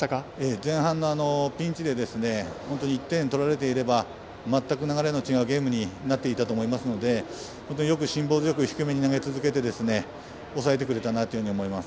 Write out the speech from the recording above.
前半のピンチで本当に１点、取られていれば全く流れの違うゲームになっていたと思いますので本当によく辛抱強く低めに投げ続けて抑えてくれたなと思います。